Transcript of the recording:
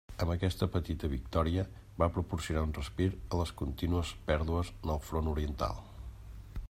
Aquesta petita victòria va proporcionar un respir a les contínues pèrdues en el front oriental.